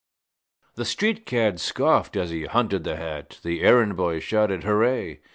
The street cad scoffed as he hunted the hat, The errand boy shouted hooray!